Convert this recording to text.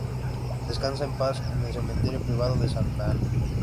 Descansa en paz en el cementerio privado de Santa Ana.